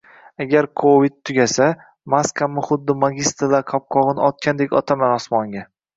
Agar Covid- tugasa, maskamni xuddi magistrlar qalpog'ini otgandek otaman osmonga..!